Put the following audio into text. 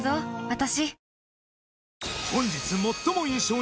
私。